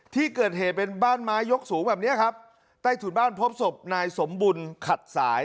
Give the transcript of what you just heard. ที่เกิดเหตุเป็นบ้านไม้ยกสูงแบบเนี้ยครับใต้ถุนบ้านพบศพนายสมบุญขัดสาย